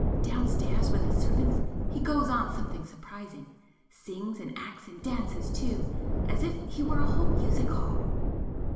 Downstairs with the servants he goes on something surprising. Sings and acts and dances too, as if he were a whole music hall."